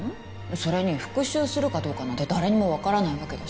それに復讐するかどうかなんて誰にも分からないわけだし